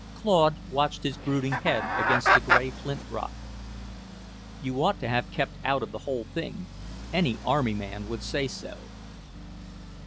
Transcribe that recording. Claude watched his brooding head against the grey flint rock. "You ought to have kept out of the whole thing. Any army man would say so."